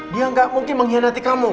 dia gak mungkin mengkhianati kamu